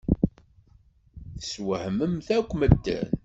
Teswehmemt akk medden.